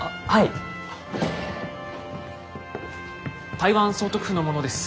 台湾総督府の者です。